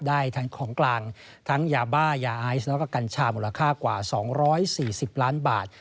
ได้ทั้งของกลางทั้งยาบ้ายาไอซ์แล้วก็กัญชามูลค่ากว่า๒๔๐ล้านบาท